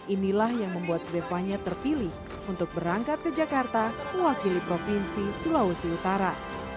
inilah yang membuat zevanya terpilih untuk berangkat ke jakarta mewakili provinsi sulawesi utara